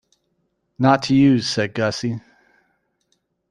"Not to you," said Gussie.